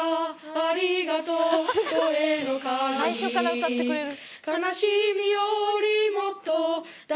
最初から歌ってくれる。